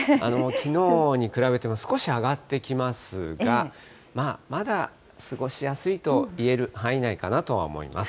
きのうに比べても少し上がってきますが、まあ、まだ過ごしやすいと言える範囲内かなとは思います。